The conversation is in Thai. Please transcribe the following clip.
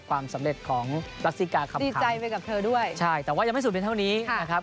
ความสำเร็จของรัสซิกาเขาดีใจไปกับเธอด้วยใช่แต่ว่ายังไม่สุดไปเท่านี้นะครับ